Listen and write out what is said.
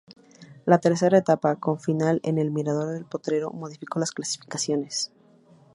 La tercera etapa con final en el Mirador del Potrero, modificó las clasificaciones.